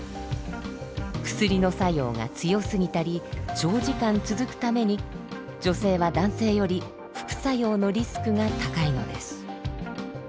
薬の作用が強すぎたり長時間続くために女性は男性より副作用のリスクが高いのです。